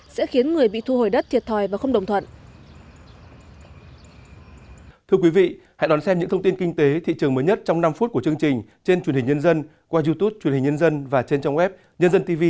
sẽ khiến người bị thu hồi đất thiệt thòi và không đồng thuận